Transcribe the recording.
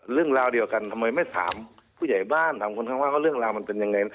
เรื่องราวเดียวกันทำไมไม่ถามผู้ใหญ่บ้านถามคนข้างบ้านว่าเรื่องราวมันเป็นยังไง